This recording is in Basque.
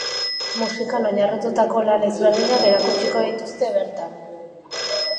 Musikan oinarritutako lan ezberdinak erakutsiko dituzte bertan.